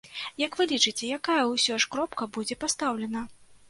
Як вы лічыце, якая ўсё ж кропка будзе пастаўлена?